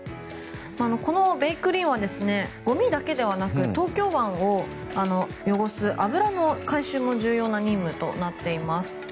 この「べいくりん」はゴミだけではなく東京湾を汚す油の回収も重要な任務となっています。